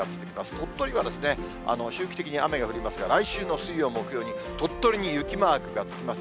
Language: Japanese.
鳥取は周期的に雨が降りますが、来週の水曜、木曜に、鳥取に雪マークがつきます。